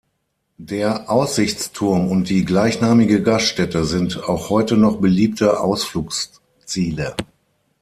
Der Aussichtsturm und die gleichnamige Gaststätte sind auch heute noch beliebte Ausflugsziele.